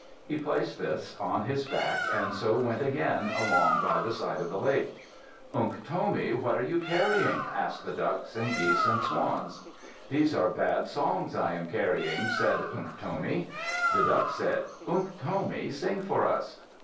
He placed this on his back and so went again along by the side of the lake. "Unktomi, what are you carrying?" asked the ducks and the geese and the swans. "These are bad songs I am carrying," said Unktomi. The ducks said, "Unktomi, sing for us."